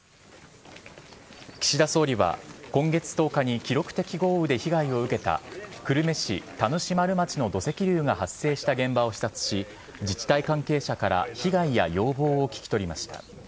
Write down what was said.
岸田総理は、今月１０日に記録的豪雨で被害を受けた久留米市田主丸町の土石流が発生した現場を視察し自治体関係者から被害や要望を聞き取りました。